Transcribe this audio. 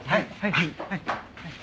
はい。